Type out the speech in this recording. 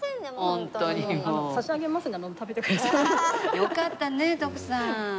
よかったね徳さん。